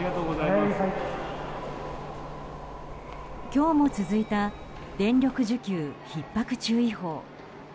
今日も続いた電力需給ひっ迫注意報。